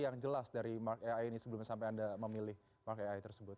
yang jelas dari mark ai ini sebelumnya sampai anda memilih mark ai tersebut